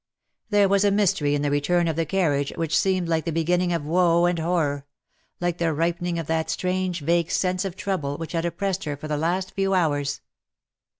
There was a mystery in the return of the carriage which seemed like the beginning of woe and horror — like the ripening of that strange vague sense of trouble which had oppressed her for the last few hours.